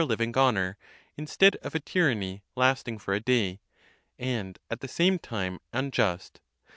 545 ever living honour, instead of a tyranny lasting for a day, and at the same time unjust.